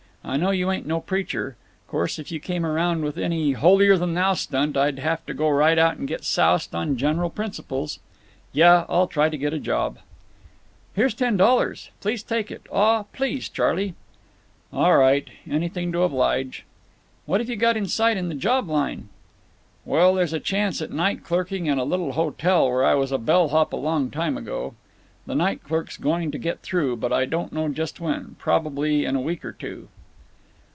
I know you ain't no preacher. Course if you came around with any 'holierthan thou' stunt I'd have to go right out and get soused on general principles…. Yuh—I'll try to get a job." "Here's ten dollars. Please take it—aw—please, Charley." "All right; anything to oblige." "What 've you got in sight in the job line?" "Well, there's a chance at night clerking in a little hotel where I was a bell hop long time ago. The night clerk's going to get through, but I don't know just when—prob'ly in a week or two."